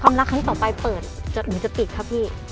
ความรักข้างต่อไปเปิดหรือจะปิดคะพี่